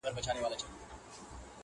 خو ماته دي سي! خپل ساقي جانان مبارک!